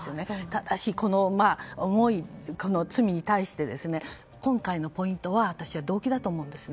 ただしこの思い、この罪に対して今回のポイントは私は動機だと思います。